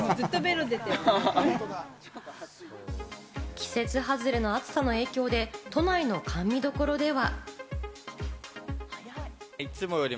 季節外れの暑さの影響で都内の甘味処では。